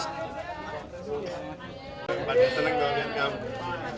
pada seneng tau liat kamu